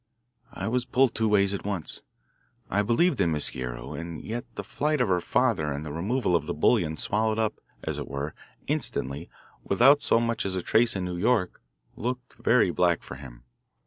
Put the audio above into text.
I was pulled two ways at once. I believed in Miss Guerrero, and yet the flight of her father and the removal of the bullion swallowed up, as it were, instantly, without so much as a trace in New York looked very black for him.